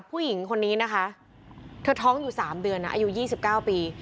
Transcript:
ผู้หญิงคนนี้นะคะเธอท้องอยู่๓เดือนนะอายุ๒๙ปี